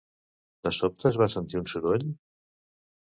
De sobte es va sentir un soroll?